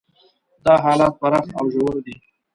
دا حالات پراخ او ژور دي.